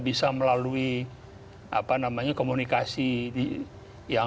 bisa butuh waktu berapa lama harus berkumpul dulu secara fisik